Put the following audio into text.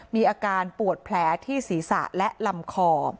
มีอาการปวดแผลที่ศีรษะและลำคอ